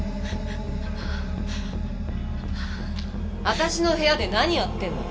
私の部屋で何やってんの？